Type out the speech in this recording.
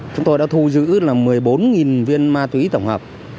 chúng tôi đã thu giữ là một mươi bốn viên ma túy tổng hợp